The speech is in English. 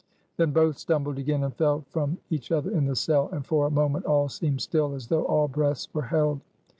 Then both stumbled again, and fell from each other in the cell: and for a moment all seemed still, as though all breaths were held.